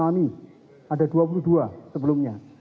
jaringan bui tsunami ada dua puluh dua sebelumnya